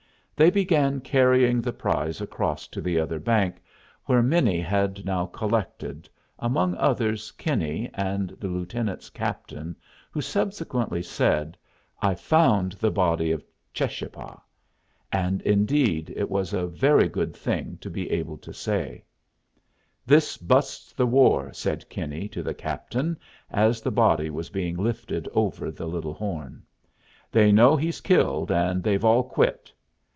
They began carrying the prize across to the other bank, where many had now collected, among others Kinney and the lieutenant's captain, who subsequently said, "I found the body of Cheschapah;" and, indeed, it was a very good thing to be able to say. [Illustration: "THE HEAD LAY IN THE WATER"] "This busts the war," said Kinney to the captain, as the body was being lifted over the Little Horn. "They know he's killed, and they've all quit.